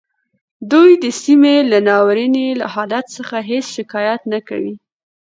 دوی د سیمې له ناوریني حالت څخه هیڅ شکایت نه کوي